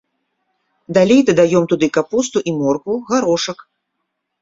Далей дадаём туды капусту і моркву, гарошак.